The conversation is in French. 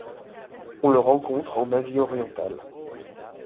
On le rencontre en Asie orientale.